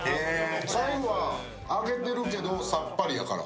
最後は揚げてるけどさっぱりやから。